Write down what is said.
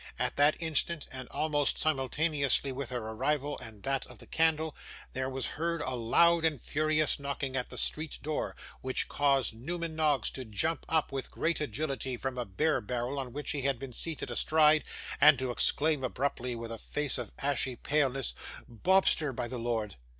At that instant, and almost simultaneously with her arrival and that of the candle, there was heard a loud and furious knocking at the street door, which caused Newman Noggs to jump up, with great agility, from a beer barrel on which he had been seated astride, and to exclaim abruptly, and with a face of ashy paleness, 'Bobster, by the Lord!